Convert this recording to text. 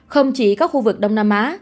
không chỉ có khu vực đông nam á